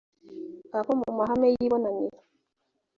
abo mu mahema y’ibonaniro